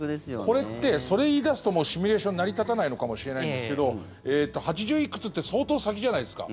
これってそれ言い出すともうシミュレーション成り立たないのかもしれないんですけど８０いくつって相当先じゃないですか。